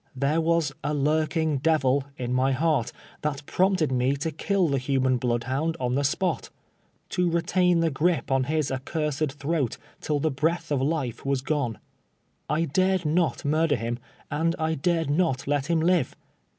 Tliere was " a lurking devil" in my heart that prompted me to kill the human blood hound on the spot —■ to retain the gripe on his accursed throat till the breath of life was gone ! I dared not murder him, and 1 dared not let him live.